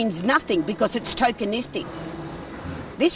ini tidak berarti apa apa karena ini tokenis